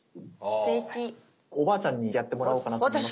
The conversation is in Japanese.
おばあちゃんにやってもらおうかなと思います。